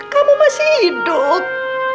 kamu masih hidup